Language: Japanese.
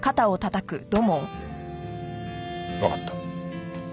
わかった。